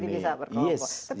oke jadi bisa berkelompok